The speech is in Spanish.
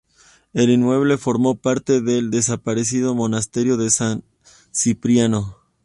El inmueble formó parte del desaparecido monasterio de San Cipriano.